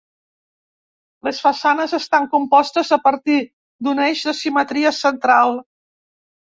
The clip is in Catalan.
Les façanes estan compostes a partir d'un eix de simetria central.